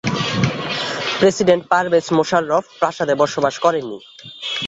President Pervez Musharraf প্রাসাদে বসবাস করেন নি।